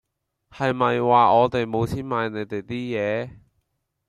係咪話我地無錢買你地 d 野